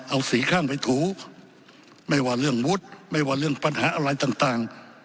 เอาสี่ข้างไปถูไม่ว่าเรื่องวุฒิไม่ว่าเรื่องปัญหาอะไรต่าง